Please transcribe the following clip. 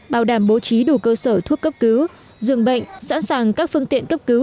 bảo đảm bố trí đủ cơ sở thuốc cấp cứu dường bệnh sẵn sàng các phương tiện cấp cứu